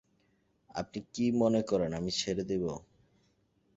আপনি কী মনে করেন আমি ছেড়ে দিব।